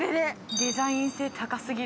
デザイン性高すぎる。